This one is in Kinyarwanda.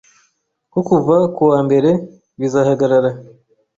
ko kuva kuwa mbere bizahagarara